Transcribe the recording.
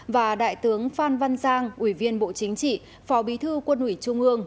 và đại tướng phan văn giang ủy viên bộ chính trị phó bí thư quân ủy trung ương